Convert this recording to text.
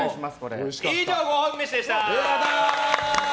以上、ご褒美飯でした。